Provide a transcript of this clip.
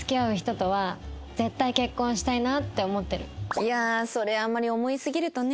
いやあそれあんまり思いすぎるとね。